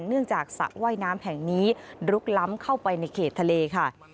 เนื่องจากสระว่ายน้ำแห่งนี้ลุกล้ำเข้าไปในเขตทะเลค่ะ